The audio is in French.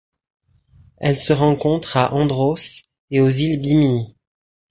Elle se rencontre à Andros et aux îles Bimini.